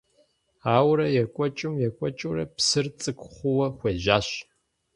Ауэрэ екӀуэкӀым - екӀуэкӀыурэ, псыр цӀыкӀу хъууэ хуежьащ.